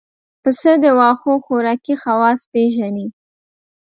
پسه د واښو خوراکي خواص پېژني.